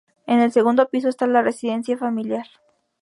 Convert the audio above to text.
En el segundo piso está la residencia familiar.